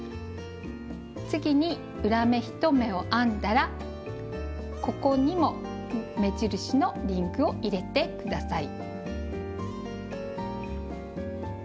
次に裏目１目を編んだらここにも目印のリングを入れて下さい。